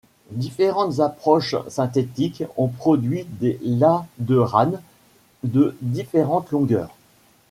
Différentes approches synthétiques ont produit des ladderanes de différentes longueurs.